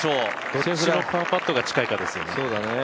どっちのパーパットが近いかですね。